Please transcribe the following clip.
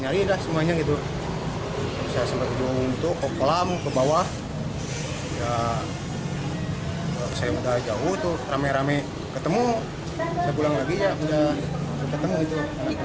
rame rame ketemu saya pulang lagi ya sudah ketemu itu